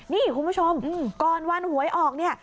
นี่คุณผู้ชมก่อนวันหวยออกเนี่ย